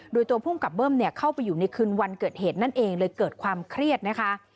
โดยตัวภูมิกับเบิ้มเข้าไปอยู่ในคืนวันเกิดเหตุนั่นเองเลยเกิดความเครียดนะคะ